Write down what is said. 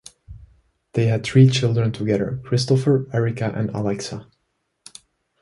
They had three children together, Christopher, Erika and Alexa.